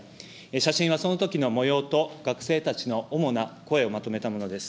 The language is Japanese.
写真はそのときのもようと、学生たちの主な声をまとめたものです。